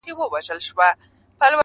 مور تر ټولو زياته ځورېږي تل